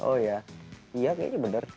oh ya kayaknya bener